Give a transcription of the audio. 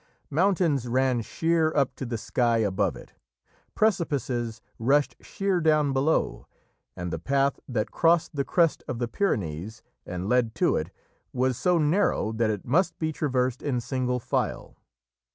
Mountains ran sheer up to the sky above it, precipices rushed sheer down below, and the path that crossed the crest of the Pyrenees and led to it was so narrow that it must be traversed in single file.